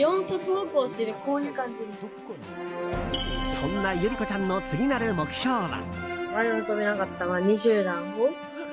そんな悠莉子ちゃんの次なる目標は？